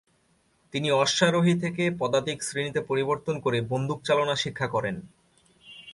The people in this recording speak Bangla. তিনি অশ্বারোহী থেকে পদাতিক শ্রেণীতে পরিবর্তন করে বন্দুক চালনা শিক্ষা করেন।